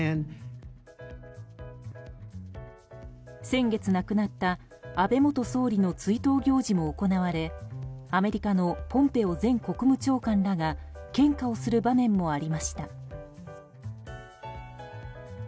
先月亡くなった安倍元総理の追悼行事も行われアメリカのポンペオ前国務長官らが献花をする場面もありました。